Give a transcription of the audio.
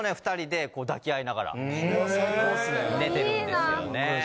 ２人で抱き合いながら寝てるんですよ。